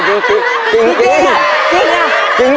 เออจริงจริง